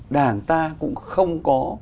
đảng ta cũng không có